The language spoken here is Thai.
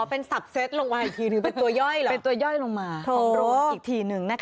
อ๋อเป็นตัวย่อยลงมาอีกทีนึง